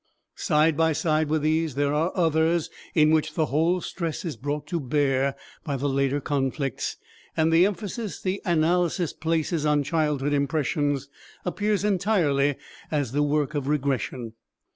Side by side with these there are others in which the whole stress is brought to bear by the later conflicts, and the emphasis the analysis places on childhood impressions appears entirely as the work of regression.